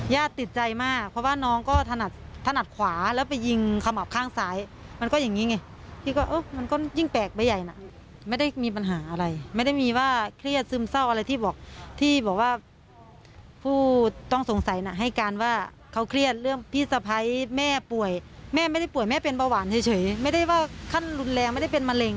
ติดใจมากเพราะว่าน้องก็ถนัดถนัดขวาแล้วไปยิงขมับข้างซ้ายมันก็อย่างนี้ไงพี่ก็เออมันก็ยิ่งแปลกไปใหญ่นะไม่ได้มีปัญหาอะไรไม่ได้มีว่าเครียดซึมเศร้าอะไรที่บอกที่บอกว่าผู้ต้องสงสัยน่ะให้การว่าเขาเครียดเรื่องพี่สะพ้ายแม่ป่วยแม่ไม่ได้ป่วยแม่เป็นเบาหวานเฉยไม่ได้ว่าขั้นรุนแรงไม่ได้เป็นมะเร็ง